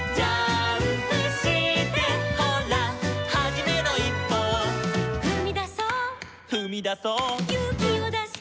「ほらはじめのいっぽを」「ふみだそう」「ふみだそう」「ゆうきをだして」